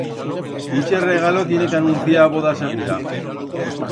Ixe regalo tiene que anunciar voda segura.